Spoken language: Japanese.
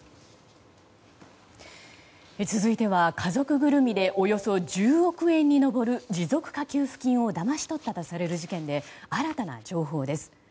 続いては家族ぐるみでおよそ１０億円に上る持続化給付金をだまし取ったとされる事件で新たな情報です。